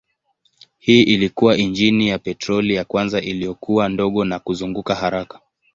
Hii ilikuwa injini ya petroli ya kwanza iliyokuwa ndogo na kuzunguka haraka.